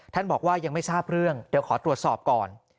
บอกว่ายังไม่ทราบเรื่องเดี๋ยวขอตรวจสอบก่อน